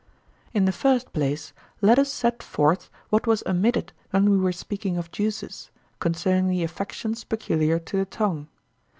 In the first place let us set forth what was omitted when we were speaking of juices, concerning the affections peculiar to the tongue.